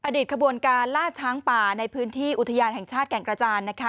ขบวนการล่าช้างป่าในพื้นที่อุทยานแห่งชาติแก่งกระจานนะคะ